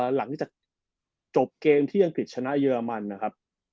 หลังจากจบเกมที่อังกฤษชนะเยอรมันนะครับ